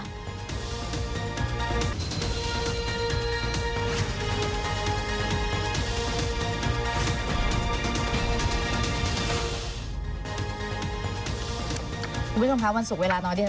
วิทยาลัยค่ะวันศุกร์เวลาน้อยดี